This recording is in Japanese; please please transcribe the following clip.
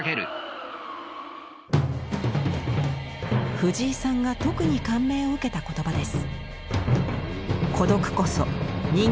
藤井さんが特に感銘を受けた言葉です。